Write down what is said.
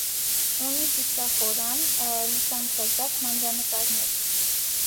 Ունի կիսսախորան, լուսանցազարդ մանրանկարներ։